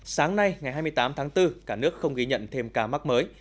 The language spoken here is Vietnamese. sáng nay ngày hai mươi tám tháng bốn cả nước không ghi nhận thêm ca mắc mới